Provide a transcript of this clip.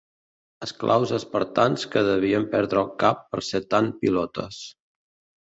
Esclaus espartans que devien perdre el cap per ser tan pilotes.